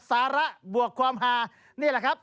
สาระบวกความฮานี่แหละครับ